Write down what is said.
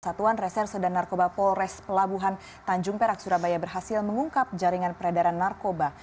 satuan reserse dan narkoba polres pelabuhan tanjung perak surabaya berhasil mengungkap jaringan peredaran narkoba